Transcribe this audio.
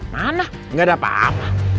mana nggak ada apa apa